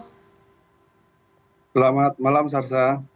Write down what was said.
selamat malam sarza